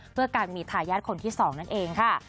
เพื่อการมีทายาทคนที่๒นั่นเองค่ะ